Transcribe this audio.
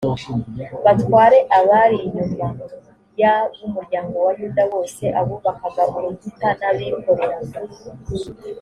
batware a bari inyuma y ab umuryango wa yuda bose abubakaga urukuta n abikoreraga